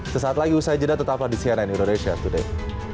sesaat lagi usai jeda tetaplah di cnn indonesia today